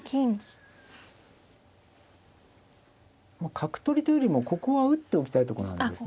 角取りというよりもここは打っておきたいとこなんですね。